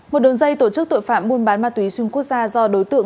một đơn dây tổ chức tội phạm buôn bán ma túy xung quốc gia do đối tượng